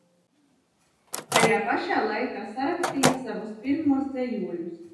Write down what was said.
Tajā pašā laikā sarakstīja savus pirmos dzejoļus.